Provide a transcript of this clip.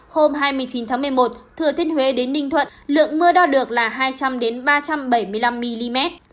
hôm hai mươi chín tháng một mươi một thừa thiên huế đến ninh thuận lượng mưa đo được là hai trăm linh ba trăm bảy mươi năm mm